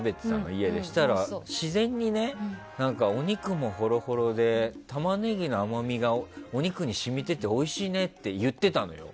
そうしたら自然にお肉もホロホロでタマネギの甘みがお肉に染みてておいしいねって言ってたのよ。